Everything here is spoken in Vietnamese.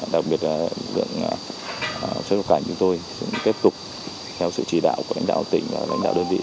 đặc biệt lực lượng xuất cảnh chúng tôi sẽ tiếp tục theo sự chỉ đạo của lãnh đạo tỉnh và lãnh đạo đơn vị